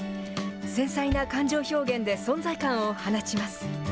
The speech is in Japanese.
繊細な感情表現で存在感を放ちます。